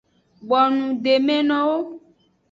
Bonudemenowo.